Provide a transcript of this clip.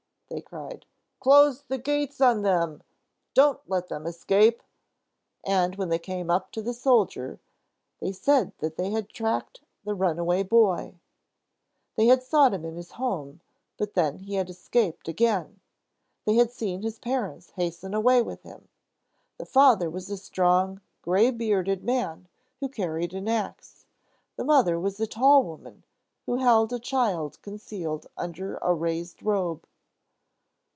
they cried. "Close the gates on them! Don't let them escape!" And when they came up to the soldier, they said that they had tracked the runaway boy. They had sought him in his home, but then he had escaped again. They had seen his parents hasten away with him. The father was a strong, gray bearded man who carried an ax; the mother was a tall woman who held a child concealed under a raised robe.